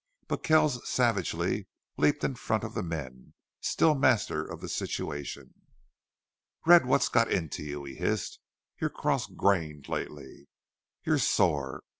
But Kells savagely leaped in front of the men, still master of the situation. "Red, what's got into you?" he hissed. "You're cross grained lately. You're sore.